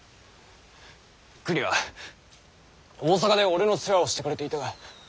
くには大阪で俺の世話をしてくれていたが。